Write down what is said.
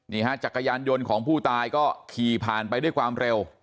จักรยานยนต์ของผู้ตายก็ขี่ผ่านไปด้วยความเร็ว